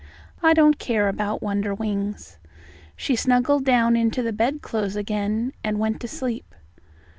"I don't care about Wonderwings." She snuggled down into the bedclothes again, and went to sleep.